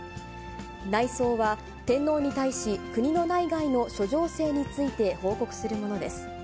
内奏は、天皇に対し、国の内外の諸情勢について報告するものです。